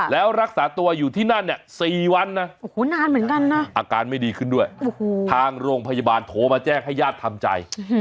แล้วรักษาตัวอยู่ที่นั่นเนี่ย๔วันอ่ะอาการไม่ดีขึ้นด้วยทางโรงพยาบาลโทษมาแจ้งให้ย่าทำใจ